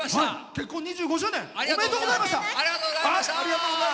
結婚２５周年おめでとうございました。